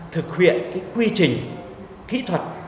thực hiện quy trình kỹ thuật